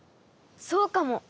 そうかも。